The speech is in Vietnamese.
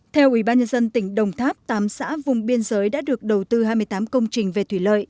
theo ủy ban nhân dân tỉnh đồng tháp tám xã vùng biên giới đã được đầu tư hai mươi tám công trình về thủy lợi